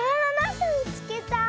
すみつけた。